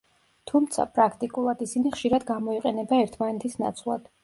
თუმცა, პრაქტიკულად, ისინი ხშირად გამოიყენება ერთმანეთის ნაცვლად.